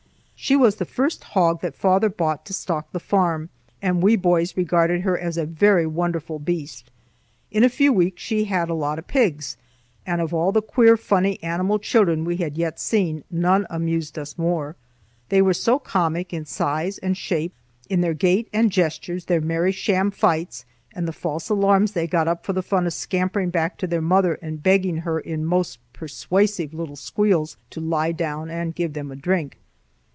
She was the first hog that father bought to stock the farm, and we boys regarded her as a very wonderful beast. In a few weeks she had a lot of pigs, and of all the queer, funny, animal children we had yet seen, none amused us more. They were so comic in size and shape, in their gait and gestures, their merry sham fights, and the false alarms they got up for the fun of scampering back to their mother and begging her in most persuasive little squeals to lie down and give them a drink.